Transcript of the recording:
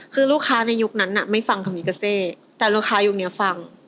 คือลูกค้าในยุคนั้นไม่ฟังคามิกาเซแต่ลูกค้ายุคนี้ฟัง